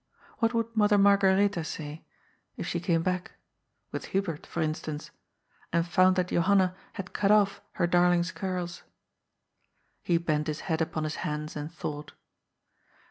What would Mother Margaretha say, if she came back — with Hubert, for instance — and found that Jo hanna had cut off her darling's curls ? He bent his head upon his hands and thought.